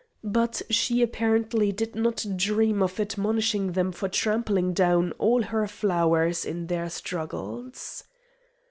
But she apparently did not dream of admonishing them for trampling down all her flowers in their struggles.